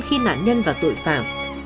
khi nạn nhân và tội phạm